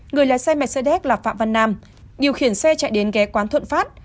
người lái xe mercedes là phạm văn nam điều khiển xe chạy đến ghé quán thuận phát